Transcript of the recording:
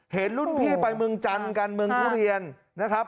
เห็นรุ่นพี่ไปเมืองจันทร์กันเมืองทุเรียนนะครับ